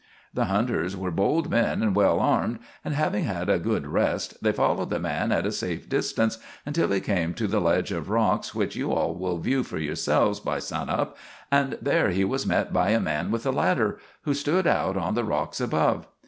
"The hunters were bold men and well armed, and, having had a good rest, they followed the man at a safe distance until he came to the ledge of rocks which you all will view for yourselves by sun up, and there he was met by a man with a ladder, who stood out on the rocks above.